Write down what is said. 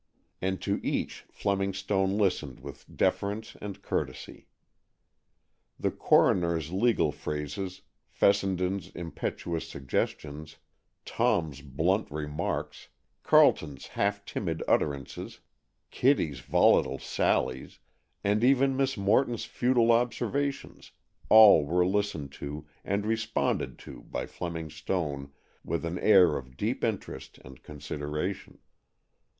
And to each Fleming Stone listened with deference and courtesy. The coroner's legal phrases, Fessenden's impetuous suggestions, Tom's blunt remarks, Carleton's half timid utterances, Kitty's volatile sallies, and even Miss Morton's futile observations, all were listened to and responded to by Fleming Stone with an air of deep interest and consideration.